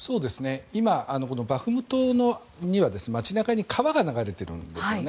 今、バフムトには街中に川が流れているんですよね。